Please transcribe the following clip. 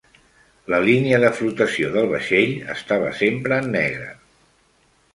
La línia de flotació del vaixell estava sempre en negre.